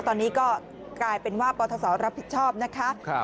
ตอนนี้ก็กลายเป็นว่าปทศรับผิดชอบนะคะ